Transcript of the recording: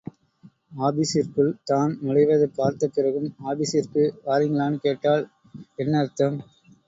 ஆபீஸிற்குள், தான் நுழைவதைப் பார்த்த பிறகும் ஆபீஸிற்கு வாரீங்களான்னு கேட்டால் என்ன அர்த்தம்?